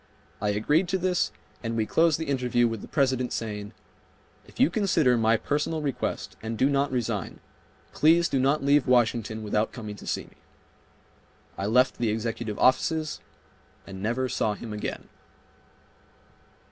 I agreed to this, and we closed the interview with the President saying, "If you consider my personal request and do not resign, please do not leave Washington without coming to see me." I left the executive offices and never saw him again.